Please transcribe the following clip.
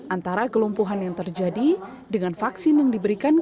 antara kelompuhan yang terjadi dengan vaksin yang diberikan oleh kipi